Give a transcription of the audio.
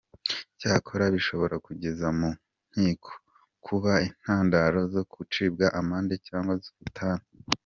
Cyakora bishobora kukugeza mu nkiko, kuba intandaro zo gucibwa amande cyangwa z’ubutane.